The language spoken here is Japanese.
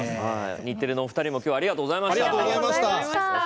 日テレのお二人もありがとうございました。